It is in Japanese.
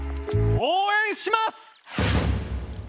応援します！